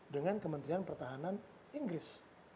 dengan kementerian pertahanan inggris